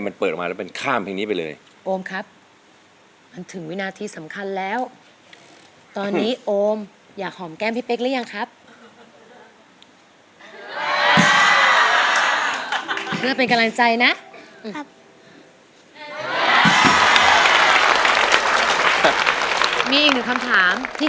มีอีกหนึ่งคำถามที่หอมไปเมื่อกี้หอมหรือเหม็น